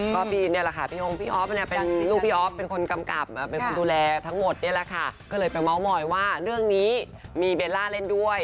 ก็นี่แหละค่ะลูกพี่ออฟเป็นคนกำกับเป็นคนดูแลทั้งหมดนี่แหละค่ะก็เลยไปเมาะหมอยว่าเรื่องนี้มีเบลล่าเล่นด้วย